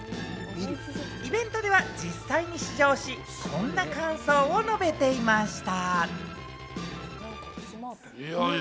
イベントでは実際に試乗し、こんな感想を述べていました。